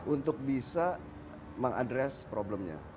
untuk bisa mengadres problemnya